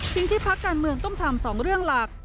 สิ่งที่ภาคการเมืองต้องทำสองเรื่องหลัก